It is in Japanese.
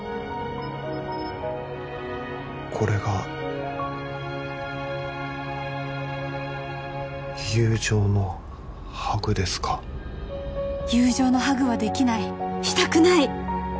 これが友情のハグですか友情のハグはできないしたくない！